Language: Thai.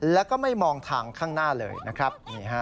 แล้วก็ไม่มองทางข้างหน้าเลยนะครับ